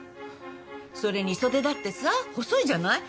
それに袖だってさ細いじゃない。